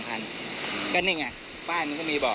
ถ้าเขาถูกจับคุณอย่าลืม